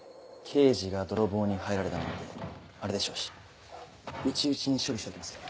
刑事が泥棒に入られたなんてあれでしょうし内々に処理しておきますよ